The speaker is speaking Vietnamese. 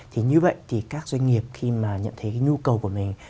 thì như vậy thì các doanh nghiệp khi mà nhận thấy cái nhu cầu của mình